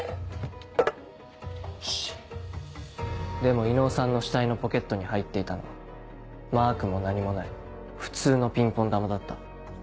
よしでも伊能さんの死体のポケットに入っていたのはマークも何もない普通のピンポン球だった。